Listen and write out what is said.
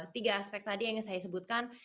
tiga aspek tadi yang ingin saya sebutkan